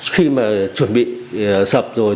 khi mà chuẩn bị sập rồi